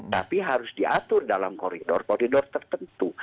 tapi harus diatur dalam koridor koridor tertentu